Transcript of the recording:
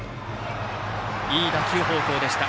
いい打球方向でした。